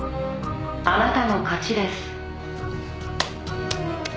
「あなたの勝ちです」